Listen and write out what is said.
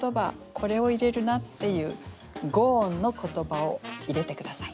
これを入れるなっていう五音の言葉を入れて下さい。